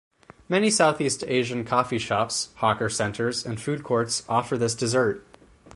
Many Southeast Asian coffee shops, hawker centres, and food courts offer this dessert.